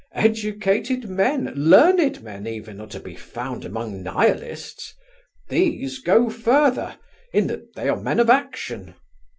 Educated men, learned men even, are to be found among Nihilists; these go further, in that they are men of action.